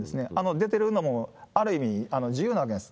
出てるのもある意味、自由なんです。